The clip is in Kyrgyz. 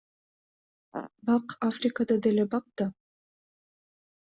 Бак Африкада деле бак да.